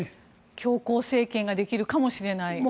強硬政権ができるかもしれない。